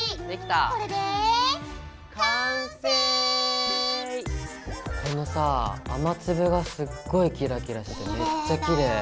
このさ雨粒がすっごいキラキラしててめっちゃきれい！